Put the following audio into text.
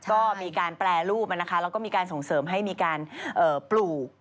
ก็มีการแปรรูปแล้วก็มีการส่งเสริมให้มีการปลูก